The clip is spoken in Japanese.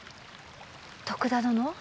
徳田殿